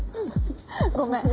ごめん。